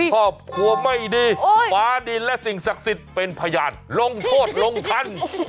ครอบครัวไม่ดีฟ้าดินและสิ่งศักดิ์สิทธิ์เป็นพยานลงโทษลงทัน